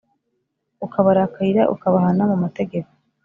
ukabarakarira ukabahana mu mategeko